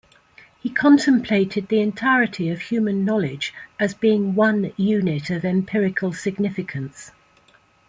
He contemplated the entirety of human knowledge as being one unit of empirical significance.